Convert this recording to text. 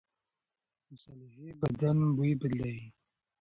مصالحې بدن بوی بدلوي.